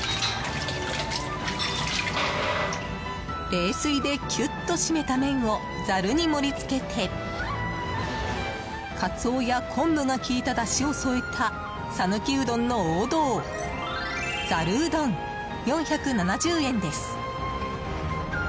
冷水でキュッと締めた麺をざるに盛り付けてカツオや昆布が効いただしを添えた讃岐うどんの王道ざるうどん、４７０円です。